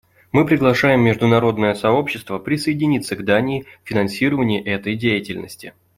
Мы приглашаем международное сообщество присоединиться к Дании в финансировании этой деятельности.